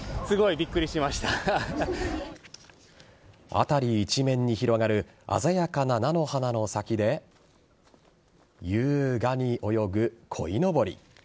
辺り一面に広がる鮮やかな菜の花の先で優雅に泳ぐこいのぼり。